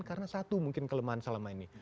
karena satu mungkin kelemahan selama ini